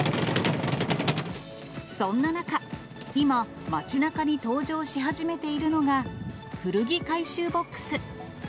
そんな中、今、街なかに登場し始めているのが、古着回収ボックス。